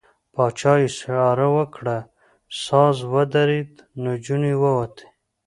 پاچا اشاره وکړه، ساز ودرېد، نجونې ووتې.